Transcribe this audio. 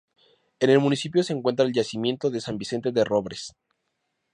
En el municipio se encuentra el yacimiento de ""San Vicente de Robres"".